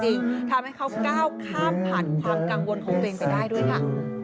ทำให้เขาก้าวข้ามผ่านความกังวลของตัวเองไปได้ด้วยค่ะ